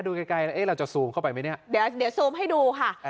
ดูไกลแล้วเอ๊ะเราจะซูมเข้าไปไหมเนี่ยเดี๋ยวซูมให้ดูค่ะ